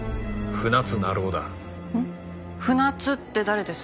船津って誰です？